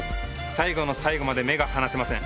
最後の最後まで目が離せません。